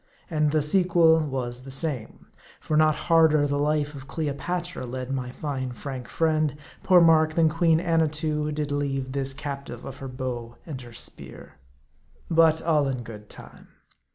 And the sequel was the same. For not harder the life Cleopatra led my fine frank friend, poor Mark, than Queen Annatoo did lead this captive of her bow and her spear. But all in. good time.